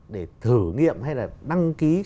để thử nghiệm hay là đăng ký